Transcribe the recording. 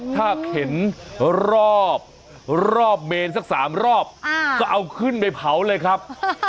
ถ้าเข็นรอบรอบเมนสัก๓รอบก็เอาขึ้นไปเผาเลยครับ